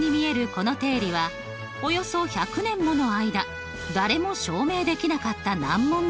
この定理はおよそ１００年もの間誰も証明できなかった難問でした。